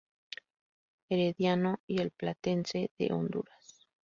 Herediano y el Platense de Honduras.